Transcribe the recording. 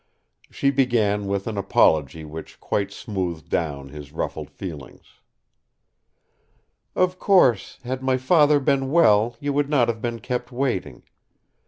She began with an apology which quite smoothed down his ruffled feelings: "Of course, had my Father been well you would not have been kept waiting.